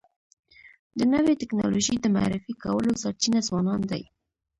د نوي ټکنالوژۍ د معرفي کولو سرچینه ځوانان دي.